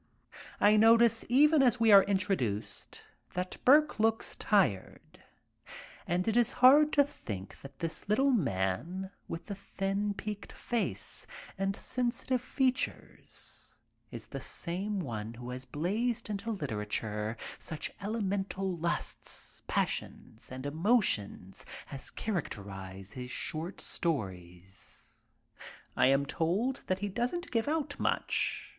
I notice even as we are introduced that Burke looks tired and it is hard to think that this little man with the thin, peaked face and sensitive features is the same one who has blazed into literature such elemental lusts, passions and emotions as characterize his short stories. I am told that he doesn't give out much.